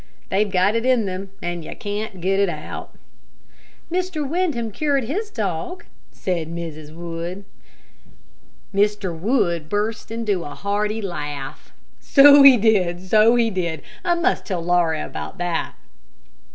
They've got it in them, and you can't get it out. "Mr. Windham cured his dog," said Mrs. Wood. Mr. Wood burst into a hearty laugh. "So he did, so he did. I must tell Laura about that.